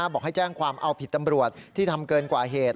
บอกให้แจ้งความเอาผิดตำรวจที่ทำเกินกว่าเหตุ